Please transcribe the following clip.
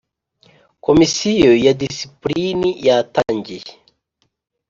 Komisiyo ya Disipulini yatangiye